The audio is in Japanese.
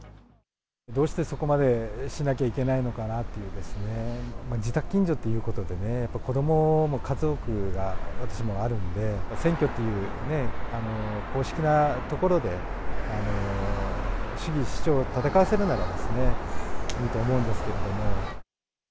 どうしてそこまでしなきゃいけないのかなっていうですね、自宅、近所ということでね、子どもも家族が、私もあるので、選挙という公式なところで主義主張を戦わせるならばいいと思うんですけれども。